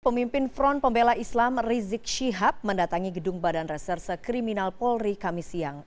pemimpin front pembela islam rizik syihab mendatangi gedung badan reserse kriminal polri kami siang